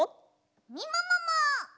みももも！